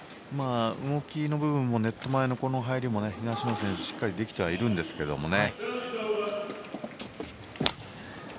動きの部分もネット前での入りも東野選手はしっかりできていますけどね。